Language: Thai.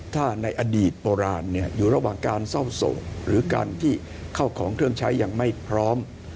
ถ้าในอดีตโบราณอยู่ระหว่างการเศร้าโศกหรือการที่เข้าของเครื่องใช้ยังไม่พร้อม